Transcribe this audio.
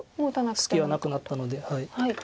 隙はなくなったので。